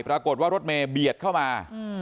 ปรากฏว่ารถเมย์เบียดเข้ามา